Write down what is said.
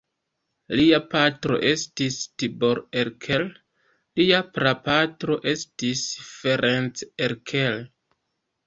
Lia patro estis Tibor Erkel, lia prapatro estis Ferenc Erkel.